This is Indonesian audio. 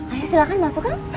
ayah silahkan masuk kang